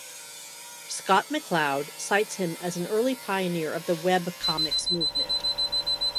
Scott McCloud cites him as an early pioneer of the webcomics movement.